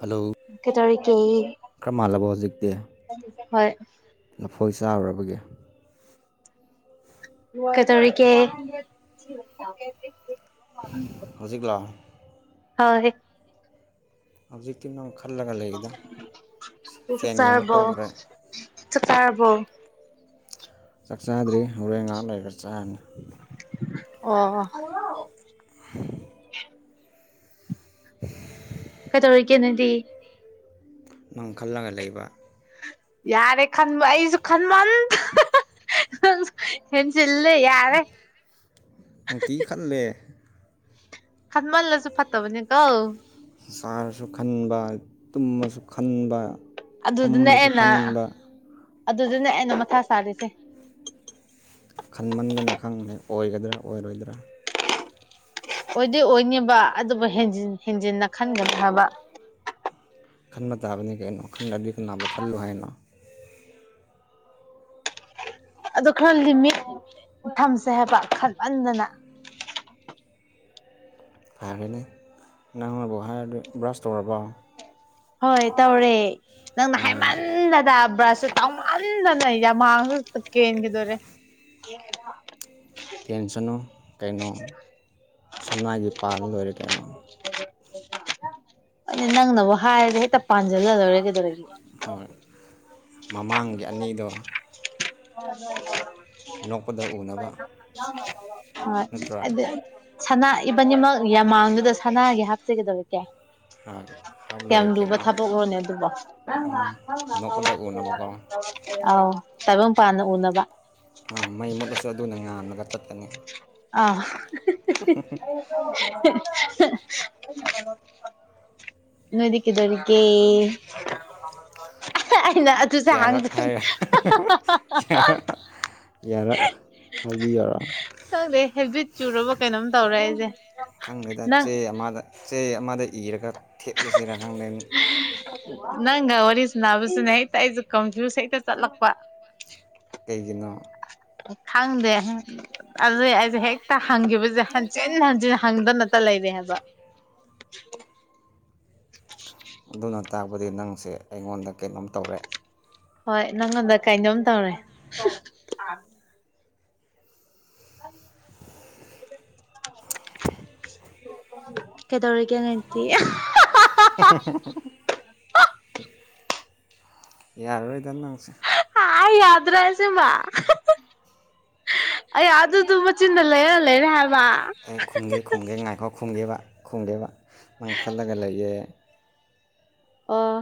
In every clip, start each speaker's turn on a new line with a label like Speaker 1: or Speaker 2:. Speaker 1: hello
Speaker 2: ꯀꯩꯗꯧꯔꯤꯒꯦ
Speaker 1: ꯈꯔ ꯃꯥꯜꯂꯕꯣ ꯍꯧꯖꯤꯛꯇꯤ
Speaker 2: ꯍꯣꯏ
Speaker 1: ꯂꯐꯣꯏ ꯆꯥꯔꯨꯔꯕꯒꯤ
Speaker 2: ꯀꯩꯇꯧꯔꯤꯀꯦ
Speaker 1: ꯍꯧꯖꯤꯛꯂꯣ
Speaker 2: ꯍꯣꯢ
Speaker 1: ꯑꯖꯤꯛꯇꯤ ꯅꯪ ꯈꯜꯂꯒ ꯂꯩ
Speaker 2: ꯆꯥꯛ ꯆꯥꯔꯕꯣ
Speaker 1: ꯇꯣꯛꯈ꯭ꯔꯦ
Speaker 2: ꯆꯥꯛ ꯆꯥꯔꯕꯣ
Speaker 1: ꯆꯥꯛ ꯆꯥꯗ꯭ꯔꯤ ꯍꯣꯔꯦꯟ ꯉꯥꯛ ꯂꯩꯔꯒ ꯆꯥꯅꯤ
Speaker 2: ꯑꯣ
Speaker 1: [unintelligible] [unintelligible]
Speaker 2: ꯀꯩꯗꯧꯔꯤꯒꯦ ꯅꯪꯗꯤ
Speaker 1: ꯅꯪ ꯈꯜꯂꯒ ꯂꯩꯕ
Speaker 2: ꯌꯥꯔꯦ ꯈꯟꯕ ꯑꯩꯁꯨ ꯈꯟꯃꯥꯟꯗꯅ ꯍꯦꯟꯖꯤꯜꯂꯦ ꯌꯥꯔꯦ
Speaker 1: ꯅꯨꯡꯇꯤ ꯈꯜꯂꯦ
Speaker 2: ꯈꯥꯜ ꯃꯜꯂꯁꯨ ꯐꯠꯇꯕꯅꯤ ꯀꯣ
Speaker 1: ꯆꯥꯔꯁꯨ ꯈꯟꯕ ꯇꯨꯝꯃꯁꯨ ꯈꯟꯕ ꯐꯝꯕꯁꯨ ꯈꯟꯕ
Speaker 2: ꯑꯗꯨꯗꯅꯦ ꯑꯩꯅ ꯃꯊꯥ ꯁꯥꯔꯤꯁꯦ
Speaker 1: ꯈꯟꯃꯟꯗꯅ ꯈꯪꯕꯅꯦ ꯑꯣꯏꯒꯗ꯭ꯔꯥ ꯑꯣꯏꯔꯣꯏꯗ꯭ꯔꯥ
Speaker 2: ꯑꯣꯏꯗꯤ ꯑꯣꯏꯅꯤꯕ ꯑꯗꯨꯕꯨ ꯍꯦꯟꯖꯤꯟ ꯍꯦꯟꯖꯤꯟꯅ ꯈꯟꯒꯅꯣ ꯍꯥꯏꯕ
Speaker 1: ꯈꯟꯕ ꯇꯥꯕꯅꯤ ꯀꯩꯅꯣ ꯈꯜꯗ꯭ꯔꯗꯤ ꯀꯅꯥꯕꯨ ꯈꯜꯂꯨ ꯍꯥꯏꯅꯣ
Speaker 2: ꯑꯗꯣ ꯈꯜꯂꯤꯃꯤ ꯊꯝꯁꯦ ꯍꯥꯏꯕ ꯈꯟꯃꯟꯗꯅ
Speaker 1: ꯐꯥꯔꯦꯅꯦ ꯅꯪꯅꯕꯨ ꯍꯥꯏꯔꯗꯤ ꯕ꯭ꯔꯁ ꯇꯧꯔꯕꯣ
Speaker 2: ꯍꯣꯏ ꯇꯧꯔꯦ ꯅꯪꯅ
Speaker 1: ꯑꯣ
Speaker 2: ꯍꯥꯏꯃ ꯅꯪꯅꯗ ꯕ꯭ꯔꯁꯁꯨ ꯇꯥꯎꯃꯟꯗꯅ ꯌꯥꯝ ꯃꯥꯡꯁꯨ ꯀꯦꯟꯈꯤꯗꯣꯔꯦ ꯑꯦꯗ [inaudible]
Speaker 1: ꯀꯦꯟꯁꯅꯨ ꯀꯩꯅꯣ ꯁꯅꯥꯒꯤ ꯄꯥꯜ ꯂꯣꯏꯔꯦ ꯀꯩꯅꯣ
Speaker 2: ꯑꯗꯨ ꯅꯪꯅꯕꯨ ꯍꯥꯏꯔꯒ ꯍꯦꯛꯇ ꯄꯥꯟꯁꯤꯜꯂ ꯂꯣꯢꯔꯦ ꯀꯩꯗꯧꯔꯒꯦ
Speaker 1: ꯍꯣꯏ ꯃꯃꯥꯡꯒꯤ ꯑꯅꯤꯗꯣ
Speaker 2: ꯑ ꯍ [inaudible]
Speaker 1: ꯅꯣꯛꯄꯗ ꯎꯅꯕ
Speaker 2: ꯍꯣꯢ
Speaker 1: ꯅꯠꯇ꯭ꯔꯥ
Speaker 2: ꯑꯗꯨ ꯁꯅꯥ ꯏꯕꯅꯤꯃꯛ ꯌꯥꯝꯃꯥꯡꯗꯨꯗ ꯁꯅꯥꯒꯤ ꯍꯥꯞꯁꯤ ꯒꯩꯗꯧꯔꯀꯦ
Speaker 1: ꯍꯥꯞ
Speaker 2: ꯀꯌꯥꯝ
Speaker 1: ꯂꯣꯏꯔꯦ
Speaker 2: ꯂꯨꯕ
Speaker 1: ꯀꯩꯅꯣ
Speaker 2: ꯊꯥꯄꯣꯛꯂꯣꯅꯦ ꯑꯗꯨꯕꯨ
Speaker 1: ꯅꯣꯛꯄꯗ ꯎꯅꯕꯀꯣ
Speaker 2: ꯑꯥꯎ ꯇꯥꯏꯕꯪ ꯄꯥꯟꯅ ꯎꯅꯕ
Speaker 1: ꯑ ꯃꯩ ꯃꯨꯠꯂꯁꯨ ꯑꯗꯨꯅ ꯉꯜꯂꯒ ꯆꯠꯀꯅꯤ
Speaker 2: ꯑꯥ ꯅꯣꯢꯗꯤ ꯀꯩꯗꯧꯔꯤꯒꯦ ꯑꯩꯅ ꯑꯗꯨꯁꯦ ꯍꯥꯡꯒꯅꯦ
Speaker 1: ꯌꯥꯔꯦ ꯍꯥꯏꯕꯤꯌꯨꯔꯣ
Speaker 2: ꯈꯤꯗꯦ ꯍꯦꯕꯤꯠ ꯆꯨꯔꯕ ꯀꯩꯅꯣꯝ ꯇꯧꯔꯦ ꯑꯩꯁꯦ
Speaker 1: ꯈꯪꯗꯦꯗ
Speaker 2: ꯅꯪ
Speaker 1: ꯆꯦ ꯑꯃꯗ ꯆꯦ ꯑꯃꯗ ꯏꯔꯒ ꯊꯦꯠꯂꯁꯤꯔ ꯈꯪꯗꯦ
Speaker 2: ꯅꯪꯒ ꯋꯥꯔꯤ ꯁꯅꯕꯁꯤꯅ ꯍꯦꯛꯇ ꯑꯩꯁꯨ ꯀꯝꯖꯨꯁ ꯍꯦꯛꯇ ꯆꯠꯂꯛꯄ
Speaker 1: ꯀꯩꯒꯤꯅꯣ
Speaker 2: ꯈꯪꯗꯦ ꯑꯗꯨ ꯑꯩꯁꯦ ꯍꯦꯛꯇ ꯍꯪꯈꯤꯕꯁꯦ ꯍꯟꯖꯤꯟ ꯍꯟꯖꯤꯟ ꯍꯪꯗꯅꯇ ꯂꯩꯔꯦ ꯍꯥꯏꯕ
Speaker 1: [unintelligible] ꯇꯥꯛꯕꯗꯤ ꯅꯪꯁꯦ ꯑꯩꯉꯣꯟꯗ ꯀꯩꯅꯣꯝ ꯇꯧꯔꯦ
Speaker 2: ꯍꯣꯏ ꯅꯪꯉꯣꯟꯗ ꯀꯥꯏꯅꯣꯝ ꯇꯧꯔꯦ ꯐꯔꯤ [unintelligible] ꯀꯩꯗꯧꯔꯤꯒꯦ ꯅꯪꯗꯤ
Speaker 1: ꯌꯥꯔꯔꯣꯏꯗ ꯅꯪꯁꯦ
Speaker 2: ꯑꯩ ꯌꯥꯗ꯭ꯔꯦ ꯑꯁꯦꯡꯕ ꯑꯩ ꯑꯗꯨꯗꯨ ꯃꯆꯤꯟꯗ ꯂꯩꯔ ꯂꯩꯔꯦ ꯍꯥꯏꯕ
Speaker 1: ꯑꯩ ꯈꯨꯝꯒꯦ ꯈꯨꯝꯒꯦ ꯉꯥꯏꯈꯣ ꯈꯨꯝꯒꯦꯕ ꯈꯨꯝꯒꯦꯕ ꯅꯪꯈꯠꯂꯒ ꯂꯩꯌꯦ
Speaker 2: ꯑꯣ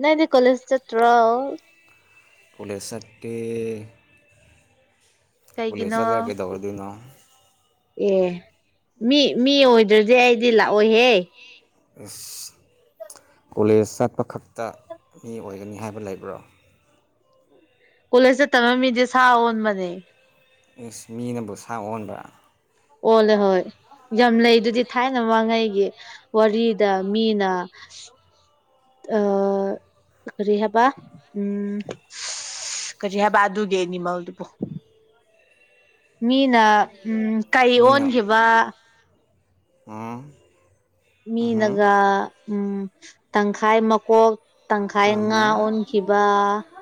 Speaker 2: ꯅꯪꯗꯤ ꯀꯣꯂꯦꯖ ꯆꯠꯇ꯭ꯔꯣ
Speaker 1: ꯀꯣꯂꯦꯁ ꯆꯠꯇꯦ
Speaker 2: ꯀꯩꯒꯤꯅꯣ
Speaker 1: ꯆꯠꯂꯒ ꯀꯩꯗꯧꯔꯗꯣꯏꯅꯣ
Speaker 2: ꯑꯦ ꯃꯤ ꯃꯤ ꯑꯣꯏꯗ꯭ꯔꯗꯤ ꯑꯩꯗꯤ ꯂꯥꯛꯑꯣꯏꯍꯦ
Speaker 1: ꯀꯣꯂꯦꯖ ꯆꯠꯄ ꯈꯛꯇ ꯃꯤ ꯑꯣꯏꯒꯅꯤ ꯍꯥꯏꯕ ꯂꯩꯕ꯭ꯔꯣ
Speaker 2: ꯀꯣꯂꯦꯖ ꯆꯠꯇ ꯃꯤꯗꯤ ꯁꯥ ꯑꯣꯟꯕꯅꯦ
Speaker 1: ꯃꯤꯅꯕꯨ ꯁꯥ ꯑꯣꯟꯕ꯭ꯔꯥ
Speaker 2: ꯑꯣꯂꯦ ꯍꯣꯏ ꯌꯥꯝ ꯂꯩꯗꯨꯗꯤ ꯊꯥꯏꯅ ꯃꯥꯃꯥꯡꯉꯩꯒꯤ ꯋꯥꯔꯤꯗ ꯃꯤꯅ ꯑꯥ ꯀꯔꯤ ꯍꯥꯏꯕ ꯎꯝ ꯀꯔꯤ ꯍꯥꯏꯕ ꯑꯗꯨꯒꯤ ꯌꯦꯅꯤꯃꯜꯗꯨꯕꯨ ꯃꯤꯅ ꯎꯝ ꯀꯩ ꯑꯣꯟꯈꯤꯕ
Speaker 1: ꯑꯝ
Speaker 2: ꯃꯤꯅꯒ ꯎꯝ ꯇꯪꯈꯥꯏ ꯃꯀꯣꯛ ꯇꯪꯈꯥꯏ ꯉꯥ ꯑꯣꯟꯈꯤꯕ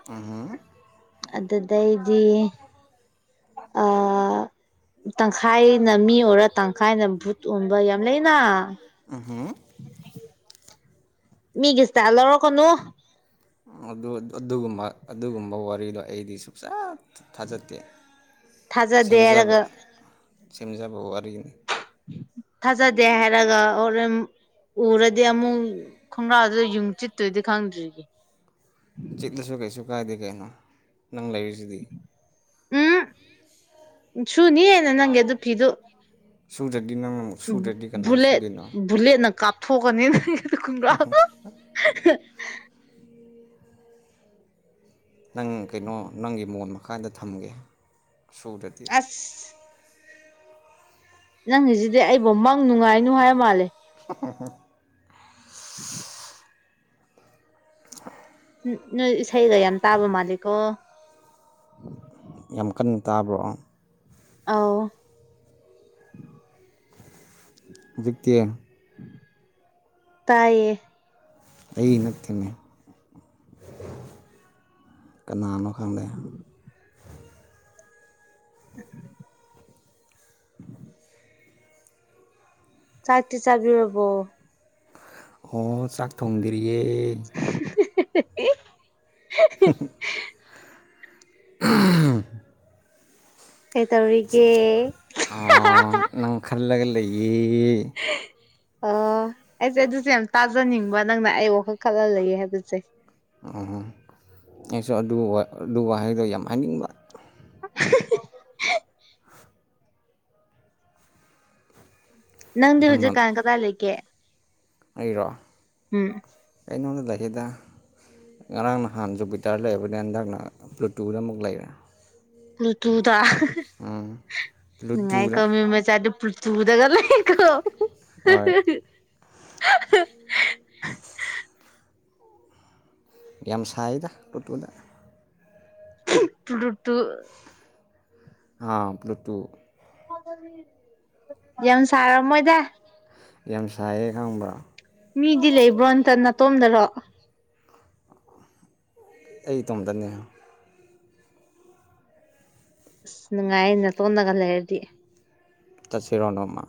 Speaker 1: ꯑꯝ ꯍꯨꯝ
Speaker 2: ꯑꯗꯨ ꯗꯩꯗꯤ ꯑꯥ ꯇꯪꯈꯥꯏꯅ ꯃꯤ ꯑꯣꯏꯔ ꯇꯪꯈꯥꯏꯅ ꯚꯨꯠ ꯑꯣꯟꯕ ꯌꯥꯝ ꯂꯩꯅ
Speaker 1: ꯑꯝ ꯍꯨꯝ
Speaker 2: ꯃꯤꯒꯤ ꯢꯁꯇꯥꯜ ꯂꯧꯔꯥꯛꯀꯅꯨ
Speaker 1: ꯑꯗꯨꯒꯨꯝꯕ ꯑꯗꯨꯒꯨꯝꯕ ꯋꯥꯔꯤꯗꯣ ꯑꯩꯗꯤ ꯁꯨꯡꯆ ꯊꯖꯗꯤꯦ
Speaker 2: ꯊꯥꯖꯗꯦ
Speaker 1: ꯁꯦꯝꯖꯕ
Speaker 2: ꯍꯥꯏꯔꯒ
Speaker 1: ꯁꯦꯝꯖꯕ ꯋꯥꯔꯤꯅꯤ
Speaker 2: ꯊꯥꯖꯗꯦ ꯍꯥꯏꯔꯒ ꯑꯣꯔ ꯎꯔꯗꯤ ꯑꯃꯨꯛ ꯈꯣꯡꯒ꯭ꯔꯥꯗꯨꯗ ꯌꯨꯡ ꯆꯤꯠꯇꯣꯏꯗꯤ ꯈꯪꯗ꯭ꯔꯤ
Speaker 1: ꯆꯤꯠꯂꯁꯨ ꯀꯩꯁꯨ ꯀꯥꯏꯗꯦ ꯀꯩꯅꯣ ꯅꯪ ꯂꯩꯔꯤ
Speaker 2: ꯎꯝ ꯁꯨꯅꯤ ꯑꯩꯅ ꯅꯪ ꯑꯗꯨꯒꯤ ꯐꯤꯗꯨ
Speaker 1: ꯁꯨꯗ꯭ꯔꯗꯤ ꯅꯪ ꯁꯨꯗ꯭ꯔꯗꯤ ꯀꯅꯥ
Speaker 2: ꯕꯨꯂꯦꯠ
Speaker 1: ꯁꯨꯗꯣꯏꯅꯣ
Speaker 2: ꯕꯨꯂꯦꯠꯅ ꯀꯥꯞꯊꯣꯛꯀꯅꯤ ꯅꯪ ꯈꯪꯒ꯭ꯔꯥꯗꯣ
Speaker 1: ꯅꯪ ꯀꯩꯅꯣ ꯅꯪꯒꯤ ꯃꯣꯟ ꯃꯈꯥꯟꯗ ꯊꯝꯒꯦ ꯁꯨꯗ꯭ꯔꯗꯤ
Speaker 2: ꯑꯁ ꯅꯪꯒꯤꯁꯤꯗꯤ ꯑꯩꯕꯨ ꯃꯪ ꯅꯨꯡꯉꯥꯏꯅꯨ ꯍꯥꯏ ꯃꯥꯜꯂꯦ
Speaker 1: [inaudible]
Speaker 2: [unintelligible]
Speaker 1: [unintelligible]
Speaker 2: ꯅꯣꯏ ꯏꯁꯩꯒ ꯌꯥꯝ ꯇꯥꯕ ꯃꯥꯜꯂꯤꯀꯣ
Speaker 1: ꯌꯥꯝ ꯀꯟꯅ ꯇꯥꯕ꯭ꯔꯣ
Speaker 2: ꯑꯥꯎ
Speaker 1: ꯍꯧꯖꯤꯛꯇꯤ
Speaker 2: ꯇꯥꯏꯌꯦ
Speaker 1: ꯑꯩꯒꯤ ꯅꯠꯇꯦ ꯀꯅꯥꯅꯣ ꯈꯪꯗꯦ
Speaker 2: ꯎ [unintelligible] ꯆꯥꯥꯛꯇꯤ ꯆꯕꯤꯔꯕꯣ
Speaker 1: ꯑꯣ ꯆꯥꯛ ꯊꯣꯡꯗ꯭ꯔꯤꯌꯦ
Speaker 2: [inaudible]
Speaker 1: ꯍ ꯍ [inaudible]
Speaker 2: [unintelligible] ꯀꯩꯇꯧꯔꯤꯒꯦ ꯍꯥ ꯍꯥ
Speaker 1: ꯑꯣ ꯅꯪ ꯈꯜꯂꯒ ꯂꯩꯌꯦ
Speaker 2: ꯑꯣ ꯑꯩꯁꯦ ꯑꯗꯨꯁꯦ ꯌꯥꯝ ꯇꯥꯖꯅꯤꯡꯕ ꯅꯪꯅ ꯑꯩ ꯋꯥꯈꯜ ꯈꯜꯂ ꯂꯩꯌꯦ ꯍꯥꯏꯕꯁꯦ
Speaker 1: ꯑꯣ ꯑꯩꯁꯨ ꯑꯗꯨ ꯑꯗꯨ ꯋꯥꯍꯩꯗꯣ ꯌꯥꯝ ꯍꯥꯏꯅꯤꯡꯕ
Speaker 2: [inaudible] ꯅꯪꯗꯤ
Speaker 1: ꯅꯪꯅ
Speaker 2: ꯍꯧꯖꯤꯛ ꯀꯥꯟ ꯀꯥꯢꯗꯥ ꯂꯩꯀꯦ
Speaker 1: ꯑꯩꯔꯣ
Speaker 2: ꯎꯝ
Speaker 1: ꯀꯩꯅꯣꯗ ꯂꯩꯗ ꯉꯔꯥꯡ ꯅꯍꯥꯟ ꯖꯨꯄꯤꯇꯥꯔ ꯂꯩꯕꯅꯦ ꯍꯟꯗꯛꯅ ꯄ꯭ꯂꯨꯇꯨꯗ ꯑꯃꯨꯛ ꯂꯩꯔꯦ
Speaker 2: ꯄꯨ꯭ꯔꯇꯨꯗ
Speaker 1: ꯎꯝ
Speaker 2: ꯅꯨꯡꯉꯥꯏ
Speaker 1: ꯄ꯭ꯂꯨꯇꯣꯗ
Speaker 2: ꯀꯣ ꯃꯤ ꯃꯆꯥꯗꯤ ꯄꯨꯔꯇꯨꯗꯒ ꯂꯩ
Speaker 1: ꯍꯣꯏ
Speaker 2: ꯑ [inaudible]
Speaker 1: ꯌꯝ ꯁꯥꯏꯗ ꯄꯨ꯭ꯔꯇꯨꯅ
Speaker 2: ꯄꯨ꯭ꯔꯇꯨ
Speaker 1: ꯍꯥꯥ ꯄꯨ꯭ꯔꯇꯨ
Speaker 2: ꯌꯥꯝ ꯁꯔꯝꯃꯣꯏꯗ
Speaker 1: ꯌꯥꯝ ꯁꯥꯏꯌꯦ ꯈꯪꯕ꯭ꯔꯥ
Speaker 2: ꯃꯤꯗꯤ ꯂꯩꯕ꯭ꯔꯣ ꯅꯇꯣꯝꯗꯔꯣ
Speaker 1: ꯑꯩ ꯏꯇꯣꯝꯗꯅꯦ
Speaker 2: ꯑꯁ ꯅꯨꯡꯉꯥꯏ ꯅꯇꯣꯟꯗꯒ ꯂꯩꯔꯗꯤ
Speaker 1: ꯆꯠꯁꯤꯔꯣ ꯅꯣꯡꯃ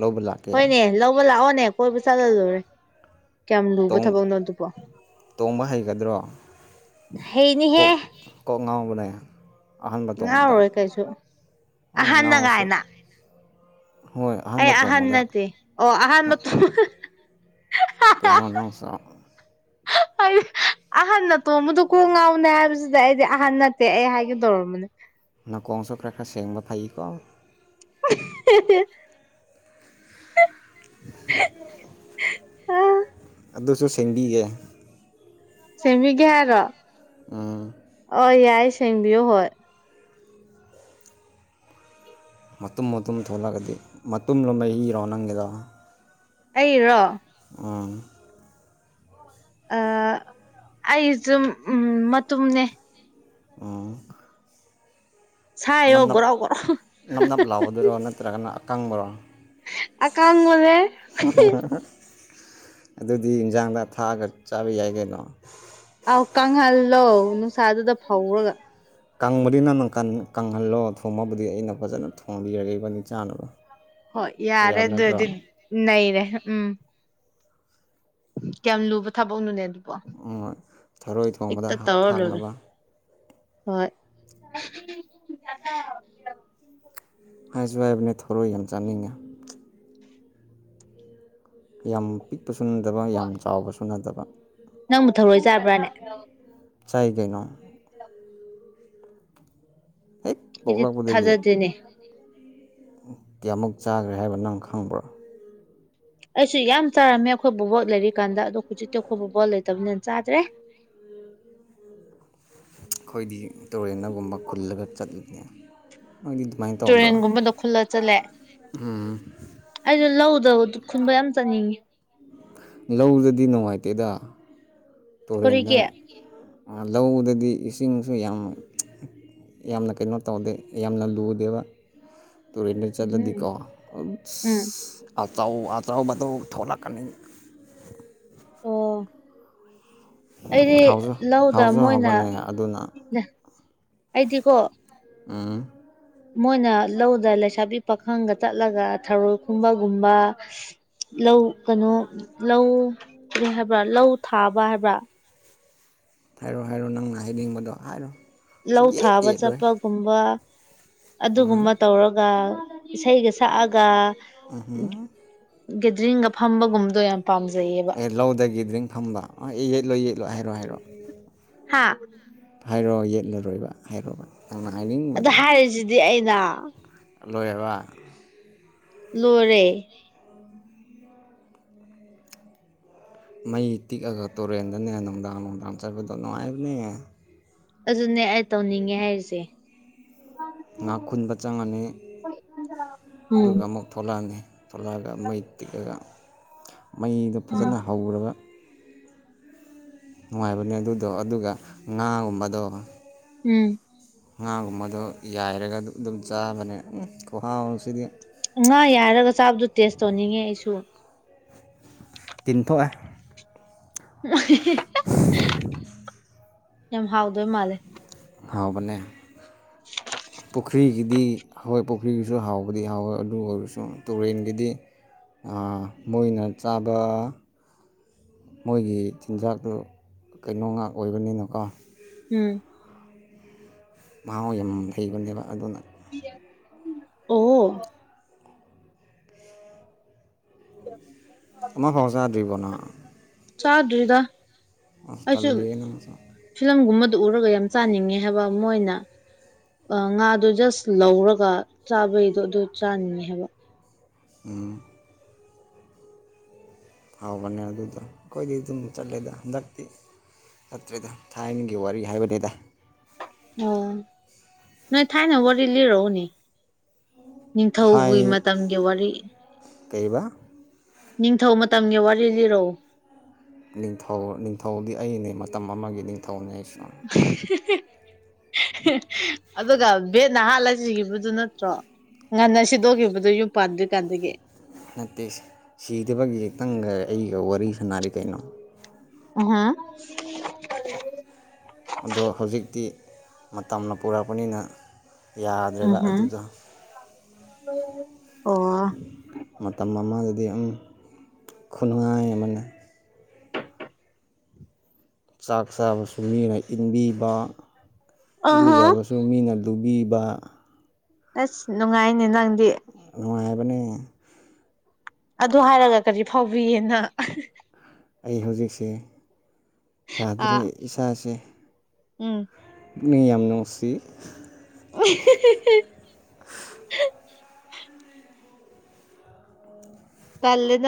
Speaker 1: ꯂꯧꯕ ꯂꯥꯛꯀꯦ
Speaker 2: ꯍꯣꯏꯅꯦ ꯂꯧꯕ ꯂꯥꯛꯑꯣꯅꯦ ꯀꯣꯏꯕ ꯆꯠꯂ ꯂꯣꯢꯔꯦ ꯀꯌꯥꯝ ꯂꯨꯕ ꯊꯕꯛꯅꯣ ꯑꯗꯨꯕꯣ
Speaker 1: ꯇꯣꯡꯕ ꯍꯩꯒꯗ꯭ꯔꯣ
Speaker 2: ꯍꯩꯅꯤꯍꯦ
Speaker 1: ꯀꯣꯛ ꯉꯥꯎꯕꯅꯦ ꯑꯍꯥꯟꯕꯥ ꯇꯣꯡꯕꯗ
Speaker 2: ꯉꯥꯎꯔꯣꯏ ꯀꯩꯁꯨ ꯑꯍꯟꯅ
Speaker 1: ꯉꯥꯎꯔꯁꯨ
Speaker 2: ꯒꯥꯏꯅ
Speaker 1: ꯍꯣꯏ ꯑꯍꯥꯟꯕ
Speaker 2: ꯑꯩ ꯑꯍꯟ
Speaker 1: ꯇꯣꯡꯕꯗ
Speaker 2: ꯅꯠꯇꯦ ꯑꯣ ꯑꯍꯟ ꯃꯇꯣꯝ
Speaker 1: ꯀꯩꯅꯣ ꯅꯪ ꯁꯥꯎ
Speaker 2: ꯍꯥꯏꯗꯤ ꯑꯍꯟꯅ ꯇꯣꯝꯕꯗꯨ ꯀꯣꯡ ꯉꯥꯎꯕꯅꯦ ꯍꯥꯏꯕꯁꯤꯗ ꯑꯩꯗꯤ ꯑꯍꯟ ꯅꯠꯇꯦ ꯑꯩ ꯍꯥꯏꯒꯦꯗꯧꯔꯕꯅꯦ
Speaker 1: ꯅꯀꯣꯡ ꯁꯨ ꯈꯔ ꯈꯔ ꯁꯦꯡꯕ ꯐꯌꯦꯀꯣ
Speaker 2: [inaudible] [inaudible]
Speaker 1: ꯑꯗꯨꯁꯨ ꯁꯦꯟꯗꯤꯒꯦ
Speaker 2: ꯁꯦꯝꯕꯤꯒꯦ ꯍꯥꯏꯔꯣ ꯑ ꯌꯥꯏ ꯁꯦꯟꯕꯤꯌꯨ ꯍꯣꯏ
Speaker 1: ꯃꯇꯨꯝ ꯃꯇꯨꯝ ꯊꯣꯛꯂꯛꯑꯒꯗꯤ ꯃꯇꯨꯝꯂꯣ ꯃꯍꯤꯔꯣ ꯅꯪꯒꯤꯗꯣ
Speaker 2: ꯑꯩꯔꯣ
Speaker 1: ꯎꯝ
Speaker 2: ꯑꯩꯁꯨ ꯃꯇꯨꯝꯅꯦ
Speaker 1: ꯑꯣ
Speaker 2: ꯁꯥꯏꯌꯣ
Speaker 1: ꯅꯝꯅꯞ
Speaker 2: ꯒꯣꯔꯥꯎ ꯒꯣꯔꯥꯎ
Speaker 1: ꯅꯝꯅꯞ ꯂꯥꯎꯕꯗꯨꯔꯣ ꯅ ꯅꯠꯇꯔꯥꯒꯅ ꯑꯀꯥꯡꯕꯔꯣ
Speaker 2: ꯑꯀꯥꯡꯕꯅꯦ
Speaker 1: ꯑꯗꯨꯗꯤ ꯏꯟꯁꯥꯡꯗ ꯊꯥꯛꯑꯒ ꯆꯥꯕ ꯌꯥꯏ ꯀꯩꯅꯣ
Speaker 2: ꯑꯥꯎ ꯀꯪꯍꯜꯂꯣ ꯅꯨꯡꯁꯥꯗꯨꯗ ꯐꯧꯔꯒ
Speaker 1: ꯀꯪꯕꯗꯤ ꯅꯪꯅ ꯀꯪꯍꯜꯂꯣ ꯊꯣꯡꯉꯕꯨꯗꯤ ꯑꯩꯅ ꯐꯖꯅ ꯊꯣꯡꯝꯕꯤꯔꯀꯦ ꯏꯕꯅꯤ ꯆꯥꯅꯕ
Speaker 2: ꯍꯣꯏ ꯌꯥꯔꯦ
Speaker 1: ꯌꯥꯕ
Speaker 2: ꯑꯗꯨ ꯑꯣꯢꯔꯗꯤ
Speaker 1: ꯅꯠꯇ꯭ꯔꯣ
Speaker 2: ꯅꯩꯔꯦ ꯎꯝ ꯀꯌꯥꯝ ꯂꯨꯕ ꯊꯕꯛꯅꯣꯅꯦ ꯑꯗꯨ
Speaker 1: ꯊꯔꯣꯏ
Speaker 2: ꯍꯦꯛꯇ
Speaker 1: ꯊꯣꯡꯕꯗ
Speaker 2: ꯇꯧꯔ ꯂꯣꯢꯔꯦ
Speaker 1: ꯊꯥꯛꯅꯕ
Speaker 2: ꯍꯣꯏ
Speaker 1: ꯍꯥꯏꯁꯨ ꯍꯥꯏꯕꯅꯦ ꯊꯣꯔꯣꯏ ꯌꯥꯝ ꯆꯥꯅꯤꯡꯉꯦ ꯌꯥꯝ ꯄꯤꯛꯄꯁꯨ ꯅꯠꯗꯕ ꯌꯥꯝ ꯆꯥꯎꯕꯁꯨ ꯅꯠꯇꯕ
Speaker 2: ꯅꯪꯕꯨ ꯊꯔꯣꯏ ꯆꯥꯕ꯭ꯔꯥꯅꯦ
Speaker 1: ꯆꯥꯏ ꯒꯩꯅꯣ ꯍꯦꯛ
Speaker 2: ꯑꯩꯗꯤ
Speaker 1: ꯄꯣꯛꯂꯥꯛꯄꯗꯒꯤ
Speaker 2: ꯊꯥꯖꯗꯦꯅꯦ
Speaker 1: ꯀꯌꯥꯃꯨꯛ ꯆꯥꯈ꯭ꯔꯦ ꯍꯥꯏꯕ ꯅꯪ ꯈꯪꯕ꯭ꯔꯣ
Speaker 2: ꯑꯩꯁꯨ ꯌꯥꯝ ꯆꯥꯔꯝꯃꯦ ꯑꯩꯈꯣꯏꯕꯨ ꯕꯣꯛ ꯂꯩꯔꯤꯀꯥꯟꯗ ꯑꯗꯣ ꯍꯧꯖꯤꯛꯇꯤ ꯑꯩꯈꯣꯏ ꯕꯨꯕꯣꯛ ꯂꯩꯇꯕꯅꯤꯅ ꯆꯥꯗ꯭ꯔꯦ
Speaker 1: ꯑꯩꯈꯣꯏꯗꯤ ꯇꯨꯔꯦꯟꯒꯨꯝꯕ ꯈꯨꯜꯂꯒ ꯆꯠꯕꯅꯦ ꯅꯗꯤ ꯑꯗꯨꯃꯥꯏꯅ ꯇꯧꯗ꯭ꯔꯣ
Speaker 2: ꯇꯨꯔꯦꯟꯒꯨꯝꯕꯗ ꯈꯨꯜꯂ ꯆꯠꯂꯦ
Speaker 1: ꯎꯝ
Speaker 2: ꯑꯩꯁꯨ ꯂꯧꯗ ꯈꯨꯟꯕ ꯌꯥꯝ ꯆꯠꯅꯤꯡꯉꯤ
Speaker 1: ꯂꯧꯗꯗꯤ ꯅꯨꯡꯉꯥꯏꯇꯦꯗ ꯇꯨꯔꯦꯟꯗ
Speaker 2: ꯀꯔꯤꯒꯤ
Speaker 1: ꯂꯧꯗꯗꯤ ꯏꯁꯤꯡꯁꯨ ꯌꯥꯝ ꯌꯥꯝꯅ ꯀꯩꯅꯣ ꯇꯧꯗꯦ ꯌꯥꯝꯅ ꯂꯨꯗꯦꯕ ꯇꯨꯔꯦꯟꯗ
Speaker 2: ꯎꯝ
Speaker 1: ꯆꯠꯂꯗꯤꯀꯣ
Speaker 2: ꯎꯝ
Speaker 1: ꯑꯆꯥꯎ ꯑꯆꯥꯎꯕꯗꯨ ꯊꯣꯛꯂꯛꯀꯅꯤ
Speaker 2: ꯑꯣ ꯑꯩꯗꯤ
Speaker 1: ꯍꯥꯎꯁꯨ
Speaker 2: ꯂꯧꯗ
Speaker 1: ꯍꯥꯎꯁꯨ
Speaker 2: ꯃꯣꯏꯅ
Speaker 1: ꯍꯥꯎꯕꯅꯦ ꯑꯗꯨꯅ
Speaker 2: ꯑꯩꯗꯤꯀꯣ
Speaker 1: ꯑꯝ
Speaker 2: ꯃꯣꯏꯅ ꯂꯧꯗ ꯂꯩꯁꯥꯕꯤ ꯄꯥꯈꯪꯒ ꯆꯠꯂꯒ ꯊꯔꯣꯏ ꯈꯨꯝꯕꯒꯨꯝꯕ ꯂꯧ ꯀꯩꯅꯣ ꯂꯧ ꯍꯥꯏꯕ꯭ꯔꯥ ꯂꯧ ꯊꯥꯕ ꯍꯥꯏꯕ꯭ꯔꯥ
Speaker 1: ꯍꯥꯏꯔꯣ ꯍꯥꯏꯔꯣ ꯅꯪꯅ ꯍꯥꯏꯅꯤꯡꯕꯗꯣ ꯍꯥꯏꯔꯣ
Speaker 2: ꯂꯧ
Speaker 1: ꯁꯨꯛꯌꯦꯠ
Speaker 2: ꯊꯥꯕ
Speaker 1: ꯌꯦꯠꯂꯣꯏ
Speaker 2: ꯆꯠꯄꯒꯨꯝꯕ ꯑꯗꯨꯒꯨꯝꯕ
Speaker 1: ꯎꯝ
Speaker 2: ꯇꯧꯔꯒ ꯏꯁꯩꯒ ꯁꯛꯑꯒ
Speaker 1: ꯎꯍꯨꯝ
Speaker 2: ꯒꯦꯗꯔꯤꯡꯒ ꯐꯝꯕꯒꯨꯝ
Speaker 1: ꯑꯦ ꯂꯧꯗ ꯗ꯭ꯔꯤꯡ ꯐꯝꯕ ꯑꯦ ꯌꯦꯠꯂꯣ ꯌꯦꯠꯂꯣ ꯍꯥꯏꯔꯣꯑꯣ ꯍꯥꯏꯔꯣꯑꯣ
Speaker 2: ꯍꯥ
Speaker 1: ꯍꯥꯏꯔꯣꯑꯣ ꯌꯦꯠꯂꯔꯣꯏꯕ ꯍꯥꯏꯔꯣꯕ ꯅꯪ
Speaker 2: ꯑꯗ
Speaker 1: ꯍꯥꯏꯅꯤꯡꯡꯕꯗꯣ ꯂꯣꯏ
Speaker 2: ꯍꯥꯏꯔꯤꯁꯤꯗꯤ ꯑꯩꯅ
Speaker 1: ꯂꯣꯏꯔꯕ
Speaker 2: ꯂꯣꯢꯔꯦ
Speaker 1: ꯃꯩ ꯇꯤꯛꯑꯒ ꯇꯨꯔꯦꯟꯗꯅꯦ ꯅꯨꯡꯗꯥꯡ ꯅꯨꯡꯗꯥꯡ ꯆꯠꯄꯗꯣ ꯅꯨꯡꯉꯥꯏꯕꯅꯦ
Speaker 2: ꯑꯗꯨꯅꯦ ꯑꯩ ꯇꯧꯅꯤꯡꯉꯦ ꯍꯥꯏꯔꯤꯁꯦ
Speaker 1: ꯉꯥ ꯈꯨꯟꯕ ꯆꯪꯉꯅꯤ
Speaker 2: ꯎꯝ
Speaker 1: ꯑꯗꯨꯒ ꯑꯃꯨꯛ ꯊꯣꯂꯛꯑꯅꯤ ꯊꯣꯂꯛꯑꯒ ꯃꯩ ꯇꯤꯛꯑꯒ ꯃꯩꯗꯣ
Speaker 2: ꯎꯝ
Speaker 1: ꯐꯖꯅ ꯍꯧꯔꯒ ꯅꯨꯡꯉꯥꯏꯕꯅꯦ ꯑꯗꯨꯗꯣ ꯑꯗꯨꯒ ꯉꯥꯒꯨꯝꯕꯗꯣ
Speaker 2: ꯎꯝ
Speaker 1: ꯉꯥꯒꯨꯝꯕꯗꯣ ꯌꯥꯏꯔꯒ ꯑꯗꯨꯝ ꯆꯥꯕꯅꯦ ꯈꯨꯍꯥꯎꯁꯤꯗꯤ
Speaker 2: ꯉꯥ ꯌꯥꯢꯔꯒ ꯆꯥꯕꯗꯨ ꯇꯦꯁ ꯇꯧꯅꯤꯡꯉꯦ ꯑꯩꯁꯨ
Speaker 1: ꯇꯤꯟ ꯊꯣꯛꯌꯦ
Speaker 2: ꯎ [inaudible] ꯌꯥꯝ ꯍꯥꯎꯗꯣꯏ ꯃꯥꯜꯂꯦ
Speaker 1: ꯍꯥꯎꯕꯅꯦ ꯄꯨꯈ꯭ꯔꯤꯒꯤꯗꯤ ꯍꯢꯏ ꯄꯨꯈ꯭ꯔꯤꯒꯤꯁꯨ ꯍꯥꯎꯕꯗꯤ ꯍꯥꯎꯋꯦ ꯑꯗꯨ ꯑꯣꯏꯔꯁꯨ ꯇꯨꯔꯦꯟꯒꯤꯗꯤ ꯃꯣꯏꯅ ꯆꯥꯕ ꯃꯣꯏꯒꯤ ꯆꯤꯟꯖꯥꯛꯇꯨ ꯀꯩꯅꯣ ꯉꯥꯛ ꯑꯣꯏꯕꯅꯤꯅꯀꯣ
Speaker 2: ꯎꯝ
Speaker 1: ꯃꯍꯥꯎ ꯌꯥꯝ ꯍꯦꯟꯕꯅꯦꯕ ꯑꯗꯨꯅ
Speaker 2: ꯑꯣ
Speaker 1: ꯑꯃꯐꯥꯎ ꯆꯗꯔꯤꯕꯣ ꯅꯪ
Speaker 2: ꯆꯥꯗ꯭ꯔꯤꯗ
Speaker 1: ꯑꯁ ꯇꯜꯂꯤꯍꯦ ꯅꯪꯁꯦ
Speaker 2: ꯐꯤꯂꯝ ꯒꯨꯝꯕꯗꯨ ꯎꯔꯒ ꯌꯥꯝ ꯆꯥꯅꯤꯡꯉꯦ ꯍꯥꯏꯕ ꯃꯣꯏꯅ ꯉꯥꯗꯣ ꯖꯁ ꯂꯧꯔꯒ ꯆꯥꯕꯩꯗꯣ ꯑꯗꯨ ꯆꯥꯅꯤꯡꯉꯦ ꯍꯥꯏꯕ
Speaker 1: ꯎꯝ ꯍꯥꯎꯕꯅꯦ ꯑꯗꯨꯗꯣ ꯑꯩꯈꯣꯏꯗꯤ ꯑꯗꯨꯝ ꯆꯠꯂꯦꯗ ꯍꯟꯗꯛꯇꯤ ꯆꯠꯇ꯭ꯔꯦꯗ ꯊꯥꯏꯅꯒꯤ ꯋꯥꯔꯤ ꯍꯥꯏꯕꯅꯤꯗ
Speaker 2: ꯑꯣ ꯅꯣꯏ ꯊꯥꯏꯅ ꯋꯥꯔꯤ ꯂꯤꯔꯛꯑꯣꯅꯦ ꯅꯤꯡꯊꯧꯒꯤ
Speaker 1: ꯊꯥꯏ
Speaker 2: ꯃꯇꯝꯒꯤ ꯋꯥꯔꯤ
Speaker 1: ꯀꯩꯕ
Speaker 2: ꯅꯤꯡꯊꯧ ꯃꯇꯝꯒꯤ ꯋꯥꯔꯤ ꯂꯤꯔꯛꯑꯣ
Speaker 1: ꯅꯤꯡꯊꯧ ꯅꯤꯡꯊꯧꯗꯤ ꯑꯩꯅꯦ ꯃꯇꯝ ꯑꯃꯒꯤ ꯅꯤꯡꯊꯧꯅꯦ ꯑꯩꯁꯨ
Speaker 2: ꯑꯗꯨꯒ ꯕꯦꯠ ꯅ ꯍꯥꯠꯂꯒ ꯁꯤꯈꯤꯕꯗꯨ ꯅꯠꯇ꯭ꯔꯣ ꯉꯟꯅ ꯁꯤꯗꯣꯛꯈꯤꯕꯗꯨ ꯌꯨꯝ ꯄꯥꯟꯗ꯭ꯔꯤ ꯀꯥꯟꯗꯒꯤ
Speaker 1: ꯅꯠꯇꯦ ꯁꯤꯗꯕꯒꯤ ꯅꯪꯒ ꯑꯩꯒ ꯋꯥꯔꯤ ꯁꯥꯟꯅꯔꯤ ꯀꯩꯅꯣ
Speaker 2: ꯑꯝ ꯍꯨꯝ
Speaker 1: ꯑꯗꯣ ꯍꯧꯖꯤꯛꯇꯤ ꯃꯇꯝꯅ ꯄꯨꯔꯛꯄꯅꯤꯅ ꯌꯥꯗ꯭ꯔꯦꯕ
Speaker 2: ꯎꯝꯍꯝ
Speaker 1: ꯑꯗꯨꯗꯣ
Speaker 2: ꯑꯣ
Speaker 1: ꯃꯇꯝ ꯑꯃꯒꯤꯗꯤ ꯑꯝ ꯈꯨꯅꯨꯡꯉꯥꯏ ꯑꯃꯅꯤ ꯆꯥꯛ ꯆꯥꯕꯁꯨ ꯃꯤꯅ ꯏꯟꯕꯤꯕ
Speaker 2: ꯑꯍꯝ
Speaker 1: ꯏꯔꯨꯖꯕꯁꯨ ꯃꯤꯅ ꯂꯨꯕꯤꯕ
Speaker 2: ꯑꯁ ꯅꯨꯡꯉꯥꯏꯅꯦ ꯅꯪꯗꯤ
Speaker 1: ꯅꯨꯡꯉꯥꯏꯕꯅꯦ
Speaker 2: ꯑꯗꯨ ꯍꯥꯏꯔꯒ ꯀꯔꯤ ꯐꯥꯎꯕꯤꯀꯦ ꯅꯪ
Speaker 1: ꯑꯩ ꯍꯧꯖꯤꯛꯁꯦ ꯌꯥꯗ꯭ꯔꯦ
Speaker 2: ꯑꯥ
Speaker 1: ꯏꯁꯥꯁꯦ
Speaker 2: ꯎꯝ
Speaker 1: ꯃꯤ ꯌꯥꯝ ꯅꯨꯡꯁꯤ
Speaker 2: ꯎ ꯍꯤ ꯍꯤ ꯍꯤ
Speaker 1: [unintelligible]
Speaker 2: ꯇꯜꯂꯤꯗ